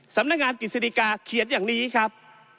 สำนักงานกฤษฎิกาเขียนอย่างนี้ครับ